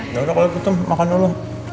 yaudah kalau gitu makan dulu